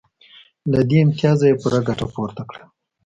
له دې امتیازه یې پوره ګټه پورته کړه